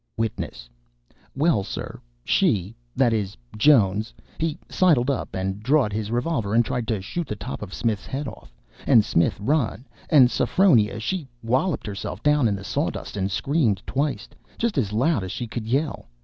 WITNESS. "Well, sir, she that is, Jones he sidled up and drawed his revolver and tried to shoot the top of Smith's head off, and Smith run, and Sophronia she walloped herself down in the saw dust and screamed twice, just as loud as she could yell.